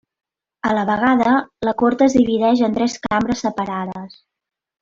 A la vegada, la Cort es divideix en tres Cambres separades.